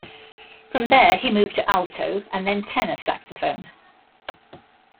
From there he moved to alto and then tenor saxophone.